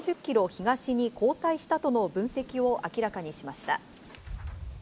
東に後退したとの分析を明らかにしました。